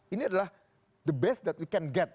ini adalah yang terbaik yang kita dapat